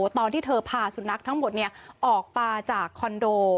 ตอนที่เธอพาสุนัขทั้งหมดออกมาจากคอนโด